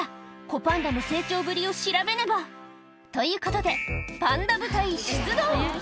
子パンダの成長ぶりを調べねば！ということで、パンダ部隊出動。